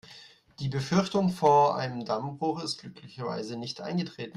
Die Befürchtung vor einem Dammbruch ist glücklicherweise nicht eingetreten.